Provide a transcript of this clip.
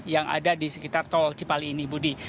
yang ada di sekitar tol cipali ini budi